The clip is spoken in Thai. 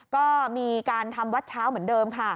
ก็มีการทำวัดเช้าเหมือนเดิมค่ะ